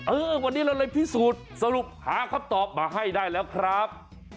เออวันนี้เราเลยพิสูจน์สรุปหาคำตอบมาให้ได้แล้วครับ